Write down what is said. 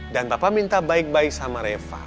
dan papa minta baik baik sama reva